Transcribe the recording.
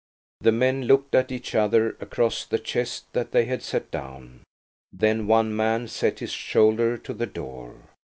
The men looked at each other across the chest that they had set down. Then one man set his shoulder to the door.